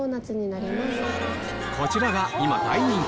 こちらが今大人気！